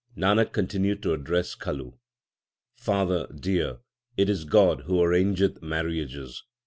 1 Nanak continued to address Kalu : Father dear, it is God who arrangeth marriages.